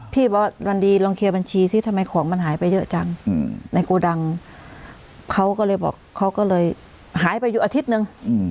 บอกว่าวันดีลองเคลียร์บัญชีสิทำไมของมันหายไปเยอะจังในโกดังเขาก็เลยบอกเขาก็เลยหายไปอยู่อาทิตย์นึง